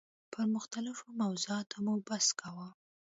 پر مختلفو موضوعاتو مو بحث کاوه.